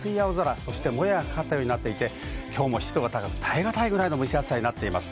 もやがかかったようになっていて今日も湿度が耐え難い蒸し暑さになっています。